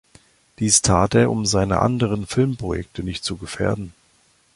Dies tat er, um seine anderen Filmprojekte nicht zu gefährden.